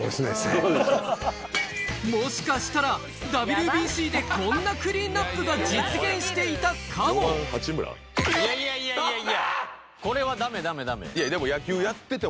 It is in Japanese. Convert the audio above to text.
もしかしたらＷＢＣでこんなクリーンナップが実現していたかもこれはダメダメダメ。